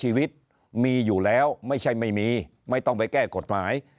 ชีวิตมีอยู่แล้วไม่ใช่ไม่มีไม่ต้องไปแก้กฎหมาย